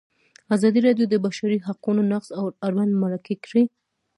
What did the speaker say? ازادي راډیو د د بشري حقونو نقض اړوند مرکې کړي.